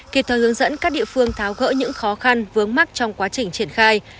kịp thời hướng dẫn các địa phương tháo gỡ những khó khăn vướng mắt trong quá trình triển khai